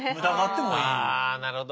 ああなるほど。